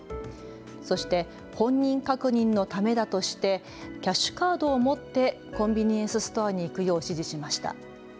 そして本人確認のためだとしてキャッシュカードを持ってコンビニエンスストアに行くよう指示しました。